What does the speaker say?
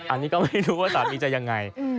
อันนี้ก็ไม่รู้ว่าสามีจะยังไง